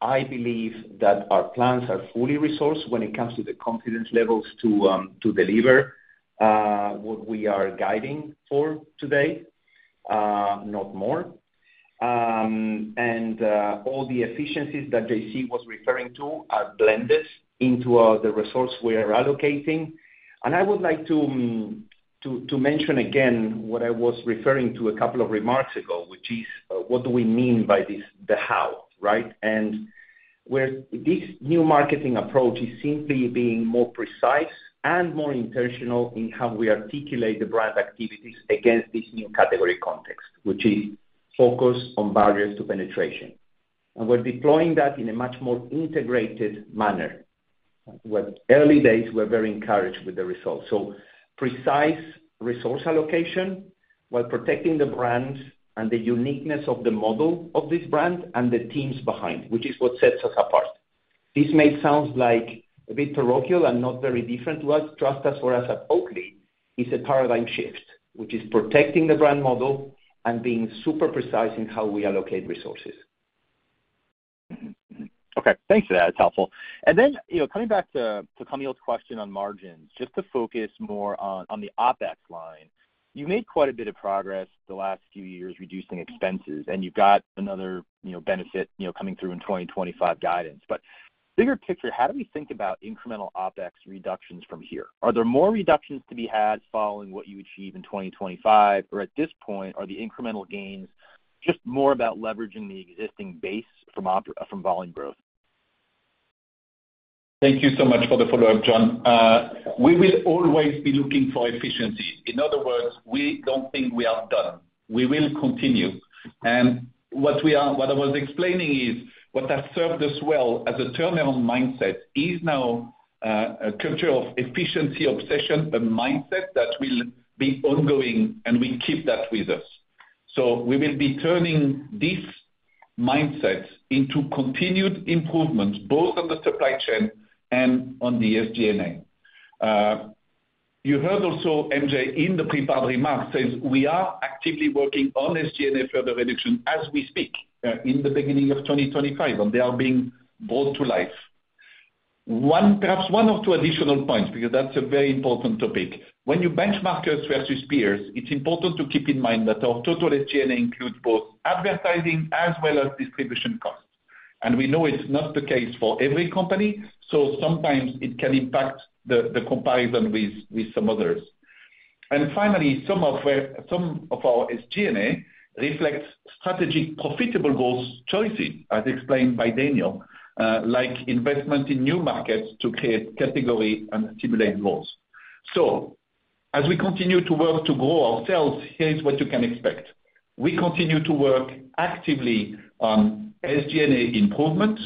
I believe that our plans are fully resourced when it comes to the confidence levels to deliver what we are guiding for today, not more. And all the efficiencies that JP was referring to are blended into the resource we are allocating. And I would like to mention again what I was referring to a couple of remarks ago, which is what do we mean by the how, right? And this new marketing approach is simply being more precise and more intentional in how we articulate the brand activities against this new category context, which is focus on barriers to penetration. And we're deploying that in a much more integrated manner. Early days, we were very encouraged with the results. So precise resource allocation while protecting the brand and the uniqueness of the model of this brand and the teams behind, which is what sets us apart. This may sound like a bit parochial and not very different to us. Trust us, for us at Oatly, it's a paradigm shift, which is protecting the brand model and being super precise in how we allocate resources. Okay. Thanks for that. That's helpful. And then coming back to Kaumil's question on margins, just to focus more on the OpEx line, you've made quite a bit of progress the last few years reducing expenses, and you've got another benefit coming through in 2025 guidance. But bigger picture, how do we think about incremental OpEx reductions from here? Are there more reductions to be had following what you achieve in 2025? Or at this point, are the incremental gains just more about leveraging the existing base from volume growth? Thank you so much for the follow-up, John. We will always be looking for efficiencies. In other words, we don't think we are done. We will continue. And what I was explaining is what has served us well as a turnaround mindset is now a culture of efficiency obsession, a mindset that will be ongoing, and we keep that with us. So we will be turning this mindset into continued improvement both on the supply chain and on the SG&A. You heard also MJ in the prepared remarks says we are actively working on SG&A further reduction as we speak in the beginning of 2025, and they are being brought to life. Perhaps one or two additional points because that's a very important topic. When you benchmark us versus peers, it's important to keep in mind that our total SG&A includes both advertising as well as distribution costs, and we know it's not the case for every company, so sometimes it can impact the comparison with some others, and finally, some of our SG&A reflects strategic profitable goals choices, as explained by Daniel, like investment in new markets to create category and stimulate growth. So as we continue to work to grow ourselves, here's what you can expect. We continue to work actively on SG&A improvements.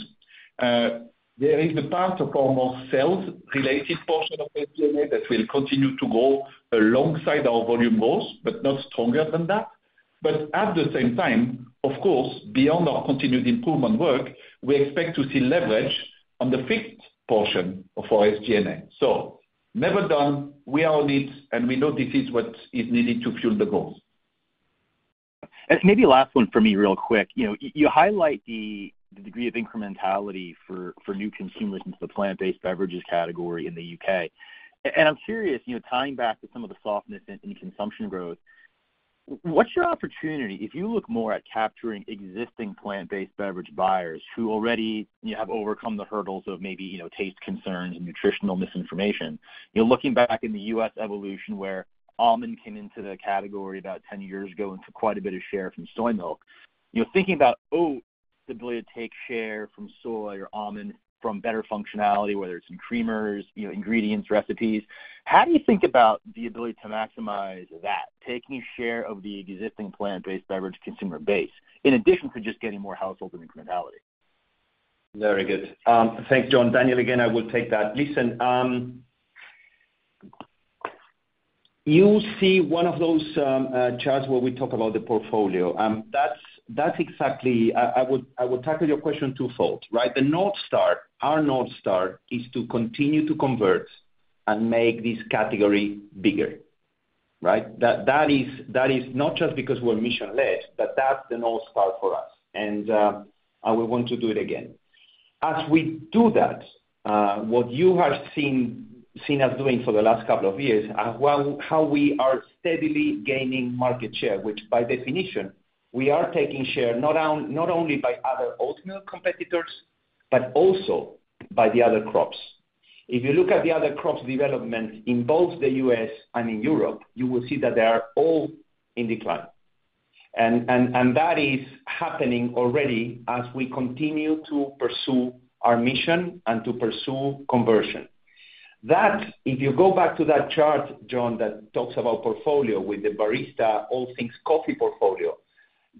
There is the part of our more sales-related portion of SG&A that will continue to grow alongside our volume growth, but not stronger than that. But at the same time, of course, beyond our continued improvement work, we expect to see leverage on the fixed portion of our SG&A, so never done. We are on it, and we know this is what is needed to fuel the growth. And maybe last one for me real quick. You highlight the degree of incrementality for new consumers into the plant-based beverages category in the U.K.. And I'm curious, tying back to some of the softness in consumption growth, what's your opportunity if you look more at capturing existing plant-based beverage buyers who already have overcome the hurdles of maybe taste concerns and nutritional misinformation? Looking back in the U.S. evolution where almond came into the category about 10 years ago and took quite a bit of share from soy milk, thinking about, oh, the ability to take share from soy or almond from better functionality, whether it's in creamers, ingredients, recipes, how do you think about the ability to maximize that, taking a share of the existing plant-based beverage consumer base in addition to just getting more households and incrementality? Very good. Thanks, John. Daniel, again, I will take that. Listen, you see one of those charts where we talk about the portfolio. That's exactly I would tackle your question twofold, right? The North Star, our North Star, is to continue to convert and make this category bigger, right? That is not just because we're mission-led, but that's the North Star for us, and we want to do it again. As we do that, what you have seen us doing for the last couple of years is how we are steadily gaining market share, which by definition, we are taking share not only by otheroat milk competitors but also by the other crops. If you look at the other crops' development in both the U.S. and in Europe, you will see that they are all in decline, and that is happening already as we continue to pursue our mission and to pursue conversion. If you go back to that chart, John, that talks about portfolio with the Barista, all things coffee portfolio,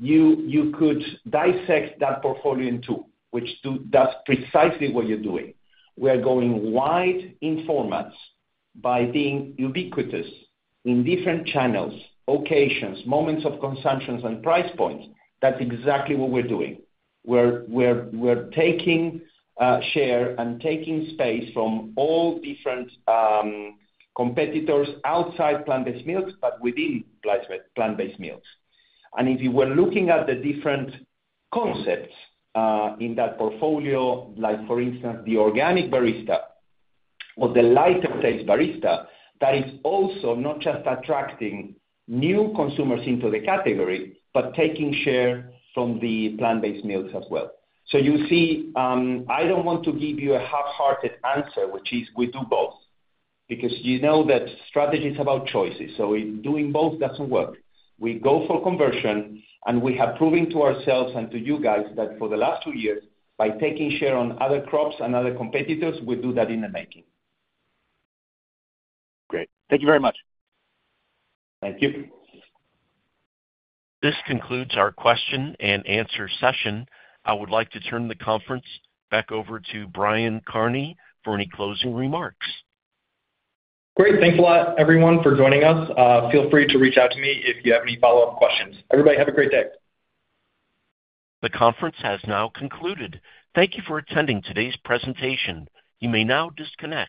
you could dissect that portfolio in two, which does precisely what you're doing. We are going wide in formats by being ubiquitous in different channels, occasions, moments of consumptions, and price points. That's exactly what we're doing. We're taking share and taking space from all different competitors outside plant-based milks but within plant-based milks, and if you were looking at the different concepts in that portfolio, like for instance, the Organic Barista or the Lighter Taste Barista, that is also not just attracting new consumers into the category but taking share from the plant-based milks as well, so you see, I don't want to give you a half-hearted answer, which is we do both because you know that strategy is about choices, so doing both doesn't work. We go for conversion, and we have proven to ourselves and to you guys that for the last two years, by taking share on other crops and other competitors, we do that in the making. Great. Thank you very much. Thank you. This concludes our question and answer session. I would like to turn the conference back over to Brian Kearney for any closing remarks. Great. Thanks a lot, everyone, for joining us. Feel free to reach out to me if you have any follow-up questions. Everybody, have a great day. The conference has now concluded. Thank you for attending today's presentation. You may now disconnect.